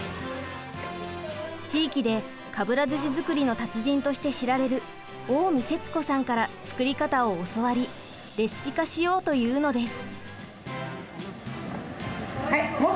地域でかぶら寿司作りの達人として知られる近江節子さんから作り方を教わりレシピ化しようというのです。